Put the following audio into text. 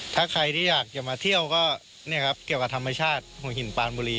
ถ้าใครที่อยากจะมาเที่ยวก็เนี่ยครับเกี่ยวกับธรรมชาติหัวหินปานบุรี